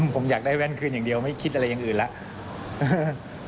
ผมอยากได้แว่นคืนอย่างเดียวไม่คิดอะไรอย่างอื่นแล้ว